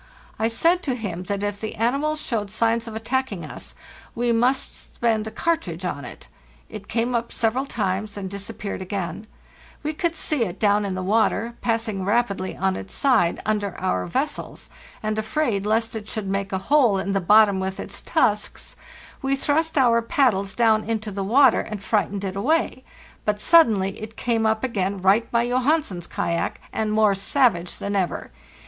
I said to him that if the animal showed signs of attacking us we must spend a cartridge on it. It came up several times and disappeared again; we could see it down in the water, passing rapidly on its side under our vessels, and, afraid lest it should make a hole in the bottom with its tusks, we thrust our paddles down into the water and frightened it away; but suddenly it came up again right by Johansen's kayak, and more savage than ever.